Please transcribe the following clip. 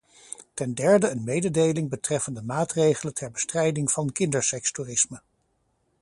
Ten derde een mededeling betreffende maatregelen ter bestrijding van kindersekstoerisme.